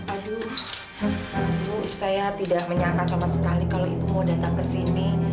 aduh ibu saya tidak menyangka sama sekali kalau ibu mau datang ke sini